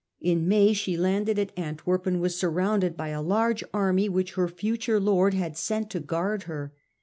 In May she landed at Antwerp and was surrounded with a large army which her future lord had sent to guard her.